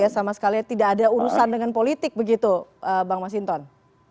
sama sekali tidak ada urusan dengan politik bang mas hinton